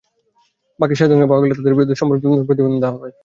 বাকি সাতজনকে পাওয়া গেলে তাঁদের বিরুদ্ধে সম্পূরক তদন্ত প্রতিবেদন দেওয়া হবে।